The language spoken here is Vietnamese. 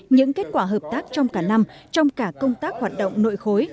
những kết quả hợp tác trong cả năm trong cả công tác hoạt động nội khối